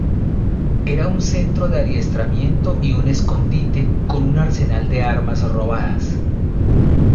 Era un centro de adiestramiento y un escondite, con un arsenal de armas robadas.